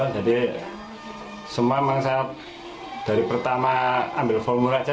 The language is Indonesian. jadi semua memang saya dari pertama ambil formul aja